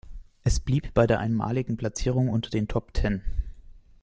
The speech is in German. Es blieb bei der einmaligen Platzierung unter den Top-Ten.